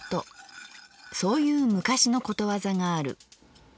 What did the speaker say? そういう昔のことわざがある。